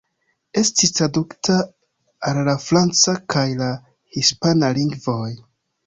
Estis tradukita al la franca kaj la hispana lingvoj.